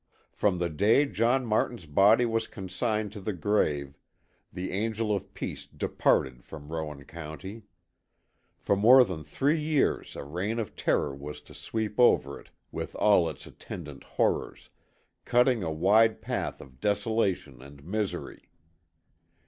From the day John Martin's body was consigned to the grave, the angel of peace departed from Rowan County. For more than three years a reign of terror was to sweep over it with all its attendant horrors, cutting a wide path of desolation and misery.